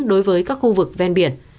đối với các khu vực ven biển